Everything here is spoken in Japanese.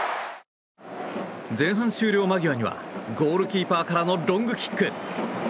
前半終了間際にはゴールキーパーからのロングキック。